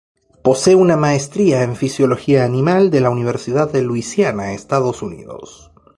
Posee una maestría en fisiología animal de la Universidad de Louisiana, Estados Unidos.